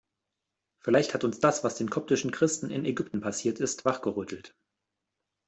Vielleicht hat uns das, was den koptischen Christen in Ägypten passiert ist, wachgerüttelt.